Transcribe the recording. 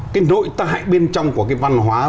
cái nội tại bên trong của cái văn hóa